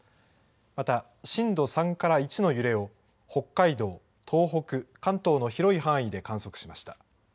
また震度３から１の揺れを北海道、東北、広い範囲で観測しました。